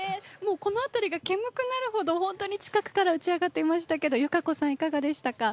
このあたりがけむくなるほど、ほんとに近くから打ちあがっていましたが友香子さん、いかがでしたか？